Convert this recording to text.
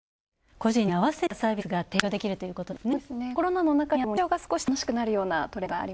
個人にあわせたサービスが提供できるということですね。